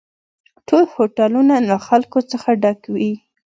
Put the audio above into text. ټول هوټلونه له خلکو څخه ډک وي